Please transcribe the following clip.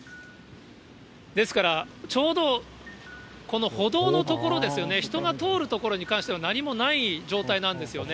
ですから、ちょうどこの歩道の所ですよね、人が通る所に関しては、何もない状態なんですよね。